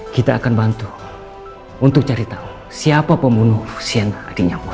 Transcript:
kita akan bantu untuk cari tahu siapa pembunuh sienna adiknya bos